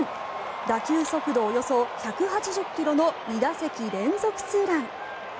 打球速度およそ１８０ｋｍの２打席連続ツーラン。